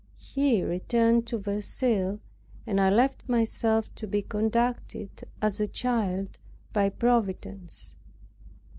He returned to Verceil, and I left myself to be conducted as a child by Providence.